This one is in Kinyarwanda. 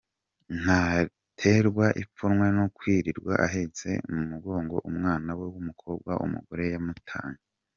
Ntaterwa ipfunwe no kwirirwa ahetse mu mugongo umwana we w'umukobwa umugore yamutanye.